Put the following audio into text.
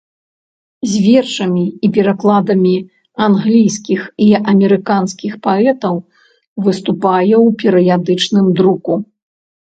З вершамі і перакладамі англійскіх і амерыканскіх паэтаў выступае ў перыядычным друку.